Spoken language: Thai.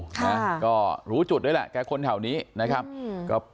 และก็หูจุดด้วยแก่คนแถวนี้นะครับ